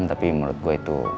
tapi menurut gue itu